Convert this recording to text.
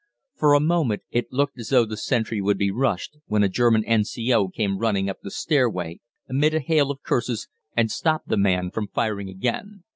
For a moment it looked as though the sentry would be rushed, when a German N.C.O. came running up the stairway, amid a hail of curses, and stopped the man from firing again.